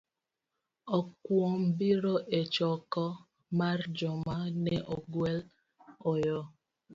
Ok kuom biro e choko mar joma ne ogwel, ooyo.